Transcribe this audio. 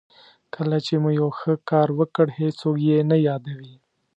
کله چې مو یو ښه کار وکړ هېڅوک یې نه یادوي.